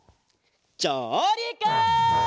じょうりく！